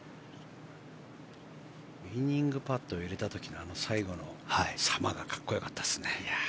ウィニングパットを入れた時の、最後のさまが格好良かったですね。